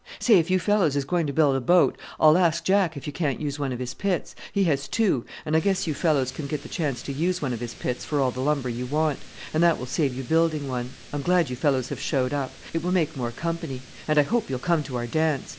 Say! if you fellows is going to build a boat, I'll ask Jack if you can't use one of his pits. He has two, and I guess you fellows can get the chance to use one of his pits for all the lumber you want and that will save you building one. I'm glad you fellows have showed up it will make more company and I hope you'll come to our dance.